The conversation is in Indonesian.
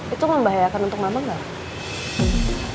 itu membahayakan untuk mama nggak